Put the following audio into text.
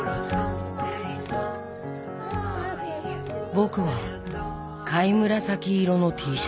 僕は貝紫色のＴシャツ。